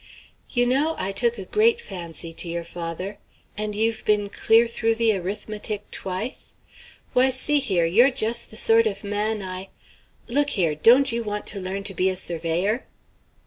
"You know I took a great fancy to your father. And you've been clear through the arithmetic twice? Why, see here; you're just the sort of man I Look here; don't you want to learn to be a surveyor?"